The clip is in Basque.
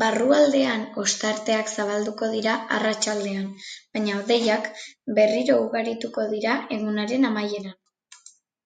Barrualdean ostarteak zabalduko dira arratsaldean, baina hodeiak berriro ugarituko dira egunaren amaieran.